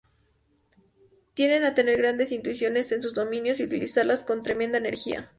Tienden a tener grandes intuiciones en sus dominios, y utilizarlas con tremenda energía.